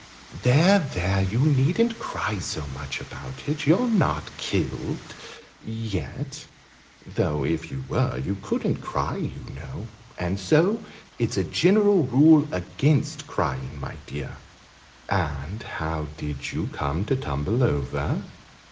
"There, there! You needn't cry so much about it. You're not killed yet though if you were, you couldn't cry, you know, and so it's a general rule against crying, my dear! And how did you come to tumble over?